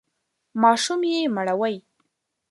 ماشوم یې مړوئ!